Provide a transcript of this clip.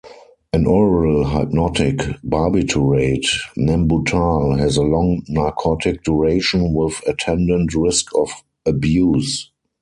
An oral-hypnotic barbiturate, Nembutal has a long narcotic duration, with attendant risk of abuse.